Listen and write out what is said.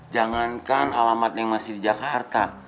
jangankan alamat yang masih di jakarta